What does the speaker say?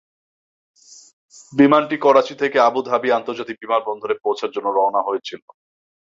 বিমানটি করাচি থেকে Abu Dhabi আন্তর্জাতিক বিমানবন্দরে পৌঁছার জন্য রওনা হয়েছিল।